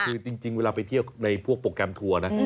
คือจริงเวลาไปเที่ยวในพวกโปรแกรมทัวร์นะ